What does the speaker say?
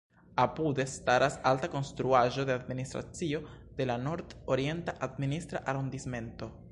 Apude staras alta konstruaĵo de administracio de la Nord-Orienta administra arondismento.